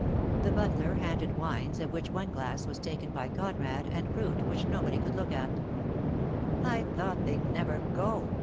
The butler handed wines, of Vvhich one glass was taken by Conrad, and fruit, which nobody would look at. "I thought they'd never go!"